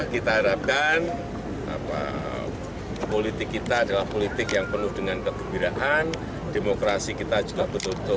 kita harapkan politik kita adalah politik yang penuh dengan kegembiraan demokrasi kita juga tertutup